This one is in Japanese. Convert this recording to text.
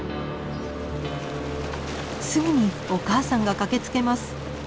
すぐにお母さんが駆けつけます。